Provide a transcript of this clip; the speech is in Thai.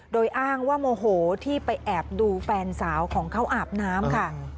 โดยอ้างว่าโมโหที่ไปแอบดูแฟนสาวของเขาอาบน้ำค่ะ